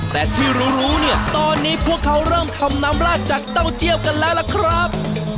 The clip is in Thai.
แต่ที่รู้เนี่ยตอนนี้พวกเขาเริ่มทำน้ำราดจากเต้าเจียวกันแล้วล่ะครับ